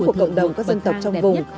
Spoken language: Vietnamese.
của cộng đồng các dân tộc trong vùng